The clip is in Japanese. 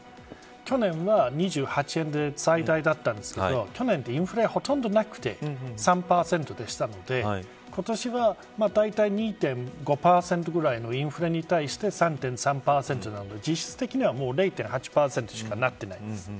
去年は２８円で最大だったんですけど去年って、インフレがほとんどなくて３％でしたので今年は大体２．５％ぐらいのインフレに対して３．３％なので実質的には０．８％にしかなってないです。